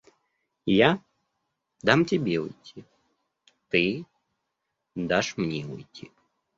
Я дам тебе уйти, ты дашь мне уйти.